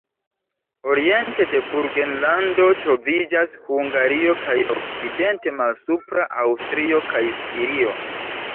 Oriente de Burgenlando troviĝas Hungario kaj okcidente Malsupra Aŭstrio kaj Stirio.